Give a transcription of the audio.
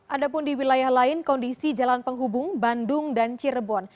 ada pun di wilayah lain kondisi jalan penghubung bandung dan cirebon